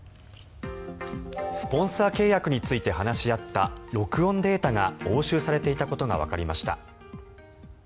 スポンサー契約について話し合った録音データが押収されていたことがわかりました。